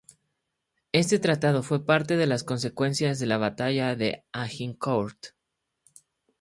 Este tratado fue parte de las consecuencias de la batalla de Agincourt.